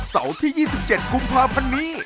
เสาร์ที่๒๗กุมภาพันธ์นี้